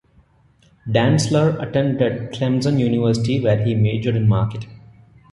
Dantzler attended Clemson University where he majored in marketing.